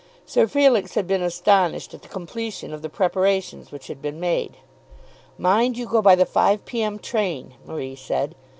Sir Felix had been astonished at the completion of the preparations which had been made. "Mind you go by the 5 P.M. train," Marie said.